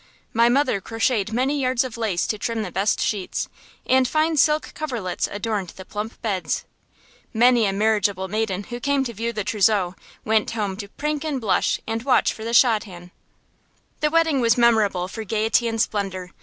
My mother crocheted many yards of lace to trim the best sheets, and fine silk coverlets adorned the plump beds. Many a marriageable maiden who came to view the trousseau went home to prink and blush and watch for the shadchan. The wedding was memorable for gayety and splendor.